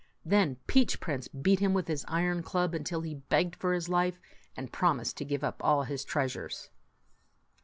Then Peach Prince beat him with his iron club, until he begged for his life and promised to give up all his treasures.